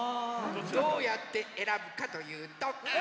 どうやってえらぶかというとこれ。